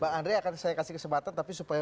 bang andre akan saya kasih kesempatan tapi supaya